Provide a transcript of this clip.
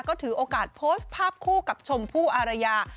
ก็ถือโอกาสโพสต์ภาพคู่กับชมพู่อารยา